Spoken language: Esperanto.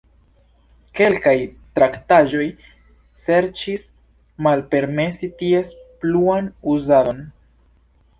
Kelkaj traktaĵoj serĉis malpermesi ties pluan uzadon.